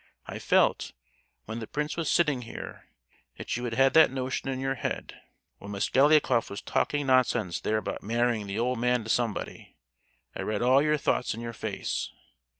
I felt, when the prince was sitting here, that you had that notion in your head. When Mosgliakoff was talking nonsense there about marrying the old man to somebody I read all your thoughts in your face.